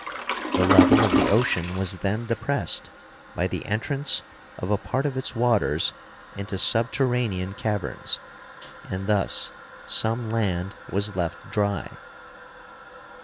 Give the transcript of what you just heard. The level of the ocean was then depressed by the entrance of a part of its waters into subterranean caverns, and thus some land was left dry.